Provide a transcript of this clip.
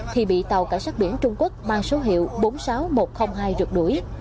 thì bị tàu cảnh sát biển trung quốc mang số hiệu bốn mươi sáu nghìn một trăm linh hai rượt đuổi